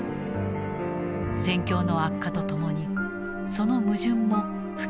戦況の悪化とともにその矛盾も噴き出していく。